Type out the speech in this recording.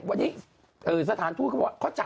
วันนี้สถานทูตเขาบอกว่า